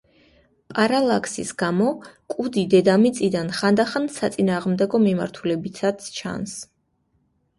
პარალაქსის გამო, კუდი დედამიწიდან ხანდახან საწინააღმდეგო მიმართულებითაც ჩანს.